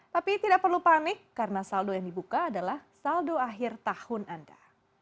tapi tidak perlu panik karena saldo yang dibuka adalah saldo akhir tahun anda